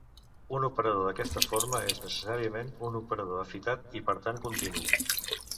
Un operador d'aquesta forma és necessàriament un operador afitat, i per tant continu.